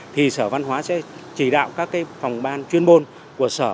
thì sở văn hóa sẽ chỉ đạo các phòng ban chuyên bôn của sở